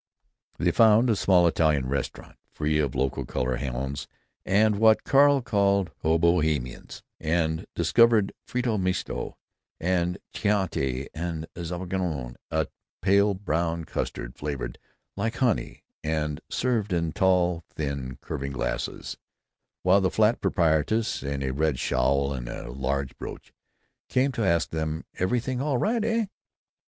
They found a small Italian restaurant, free of local color hounds and what Carl called "hobohemians," and discovered fritto misto and Chianti and zabaglione—a pale brown custard flavored like honey and served in tall, thin, curving glasses—while the fat proprietress, in a red shawl and a large brooch, came to ask them, "Everyt'ing all aright, eh?"